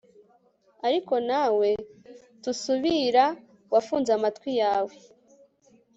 ariko nawe, tusuubira. wafunze amatwi yawe